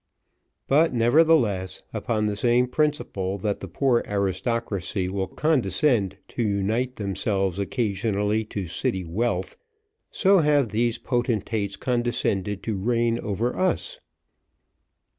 But, nevertheless, upon the same principle that the poor aristocracy will condescend to unite themselves occasionally to city wealth, so have these potentates condescended to reign over us.